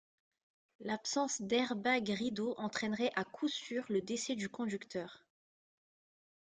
L’absence d’airbags rideaux entraînerait à coup sûr le décès du conducteur.